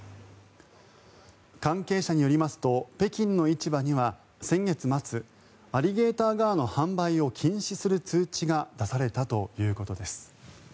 関係者によりますと北京の市場には先月末アリゲーターガーの販売を禁止する通知が出されたということです。